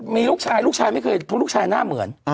มีลูกชายลูกชายไม่เคยเพราะลูกชายหน้าเหมือน